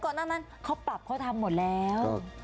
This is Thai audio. เขาปรับเขาทำหมดแล้ว